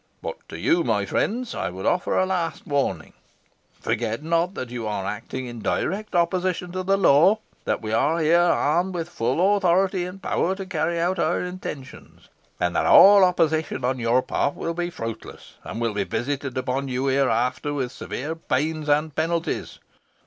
But to you, my friends, I would offer a last warning. Forget not that you are acting in direct opposition to the law; that we are here armed with full authority and power to carry out our intentions; and that all opposition on your part will be fruitless, and will be visited upon you hereafter with severe pains and penalties.